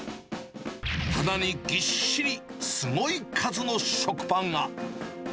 棚にぎっしり、すごい数の食パンが。